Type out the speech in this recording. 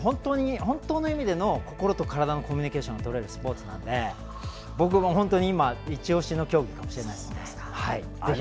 本当の意味での心と体のコミュニケーションがとれるスポーツなので、僕も今いち押しの競技かもしれないです。